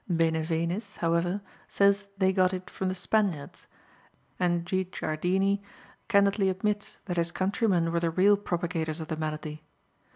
Benevenis, however, says they got it from the Spaniards, and Guicciardini candidly admits that his countrymen were the real propagators of the malady.